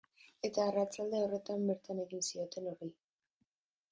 Eta arratsalde horretan bertan ekin zioten horri.